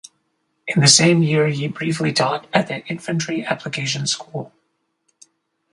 In the same year he briefly taught at the Infantry Application School.